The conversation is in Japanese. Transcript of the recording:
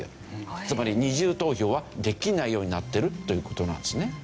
つまり２重投票はできないようになってるという事なんですね。